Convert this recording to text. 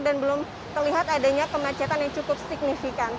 dan belum terlihat adanya kemacetan yang cukup signifikan